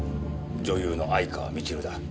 女優の愛川みちるだ。